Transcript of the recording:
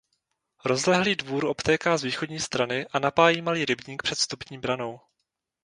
Rozlehlý dvůr obtéká z východní strany a napájí malý rybník před vstupní branou.